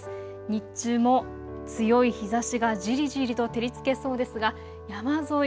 日中も強い日ざしがじりじりと照りつけそうですが山沿い、